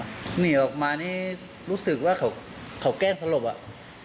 หนีออกมานี่รู้สึกว่าเขาแกล้งสลบอ่ะ